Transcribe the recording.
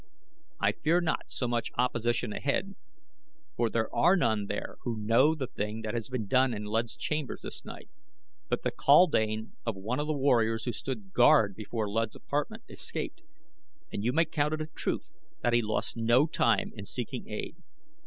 "I fear not so much opposition ahead, for there are none there who know the thing that has been done in Luud's chambers this night; but the kaldane of one of the warriors who stood guard before Luud's apartment escaped, and you may count it a truth that he lost no time in seeking aid.